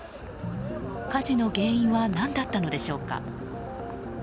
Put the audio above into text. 火事の原因は何だったのでしょうか。